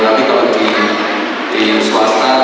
tapi kalau di tim swasta